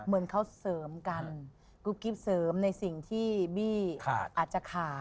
เหมือนเขาเสริมกันกุ๊กกิ๊บเสริมในสิ่งที่บี้อาจจะขาด